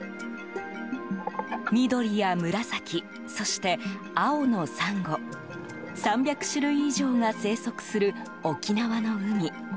緑や紫、そして青のサンゴ３００種類以上が生息する沖縄の海。